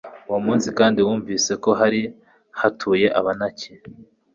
uwo munsi kandi wumvise ko hari hatuye abanaki